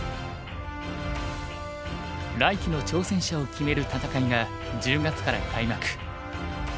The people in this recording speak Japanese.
来期の挑戦者を決める戦いが１０月から開幕。